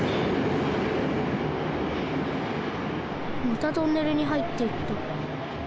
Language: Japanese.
またトンネルにはいっていった。